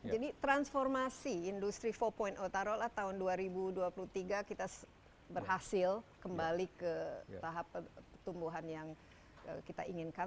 jadi transformasi industri empat tarola tahun dua ribu dua puluh tiga kita berhasil kembali ke tahap pertumbuhan yang kita inginkan